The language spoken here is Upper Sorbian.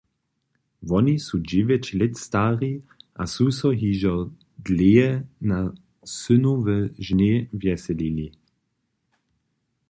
Woni su dźewjeć lět stari a su so hižo dlěje na synowe žně wjeselili.